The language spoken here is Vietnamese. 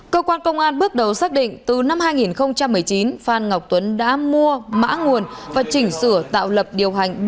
cơ quan công an bước đầu xác định từ năm hai nghìn một mươi chín phan ngọc tuấn đã mua mã nguồn và chỉnh sửa tạo lập điều hành